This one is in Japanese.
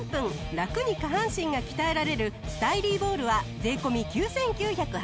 ラクに下半身が鍛えられるスタイリーボールは税込９９８０円。